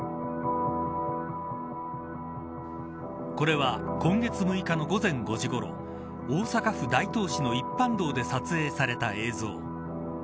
これは今月６日の午前５時ごろ大阪府大東市の一般道で撮影された映像。